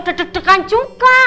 udah deg degan juga